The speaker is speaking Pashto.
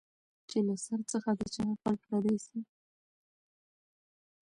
چي له سر څخه د چا عقل پردی سي